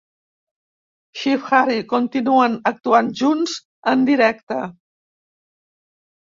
Shiv-Hari continuen actuant junts en directe.